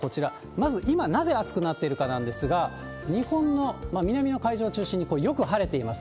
まず今、なぜ暑くなっているかなんですが、日本の南の海上を中心によく晴れています。